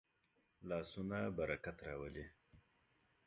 لاسونه برکت راولي